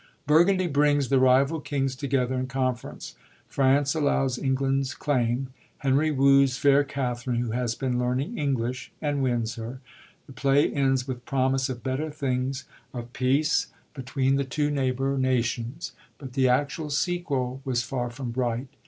Burgundy brings the rival kings together in conference ; France allows England's claim; Henry woos fair Katharine, who has been learning English, and wins her. The play ends with promise of better things, of peace between the lOX THE MERRY WIVES OF WINDSOR two neighbor nations ; but the actual sequel was far from bright.